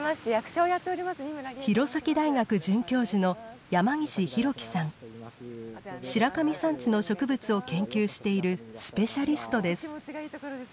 弘前大学准教授の白神山地の植物を研究しているスペシャリストです。